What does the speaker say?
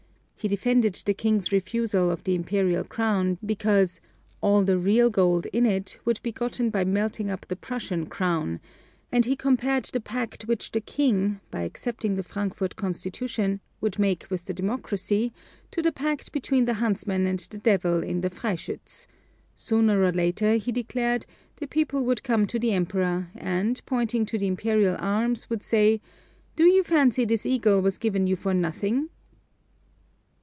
He defended the King's refusal of the imperial crown, because "all the real gold in it would be gotten by melting up the Prussian crown"; and he compared the pact which the King, by accepting the Frankfort constitution, would make with the democracy, to the pact between the huntsman and the devil in the 'Freischütz': sooner or later, he declared, the people would come to the Emperor, and pointing to the Imperial arms, would say, "Do you fancy this eagle was given you for nothing?"